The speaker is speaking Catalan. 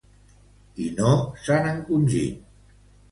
I no s’han encongit.